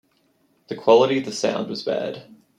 The quality of the sound was bad.